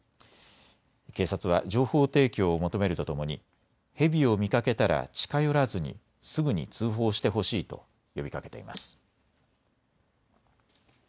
警察は情報提供を求めるとともにヘビを見かけたら近寄らずにすぐに通報してほしいと呼びかけています。